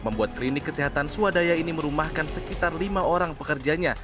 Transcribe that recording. membuat klinik kesehatan swadaya ini merumahkan sekitar lima orang pekerjanya